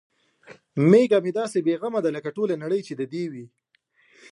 میږه مې داسې بې غمه ده لکه ټوله نړۍ چې د دې وي.